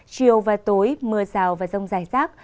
chiều và tối mưa rào và rông dài rác